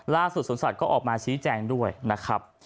สวนสัตว์ก็ออกมาชี้แจงด้วยนะครับ